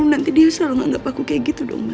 nanti dia selalu menganggap aku seperti itu dong mas